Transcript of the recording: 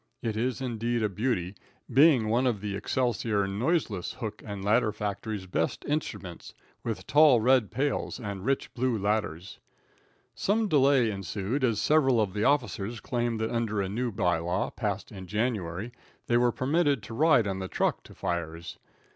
It is indeed a beauty, being one of the Excelsior noiseless hook and ladder factory's best instruments, with tall red pails and rich blue ladders. Some delay ensued, as several of the officers claimed that under a new bylaw passed in January they were permitted to ride on the truck to fires.